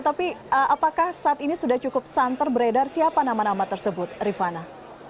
tapi apakah saat ini sudah cukup santer beredar siapa nama nama tersebut rifana